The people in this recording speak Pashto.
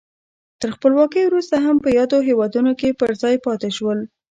تر خپلواکۍ وروسته هم په یادو هېوادونو کې پر ځای پاتې شول.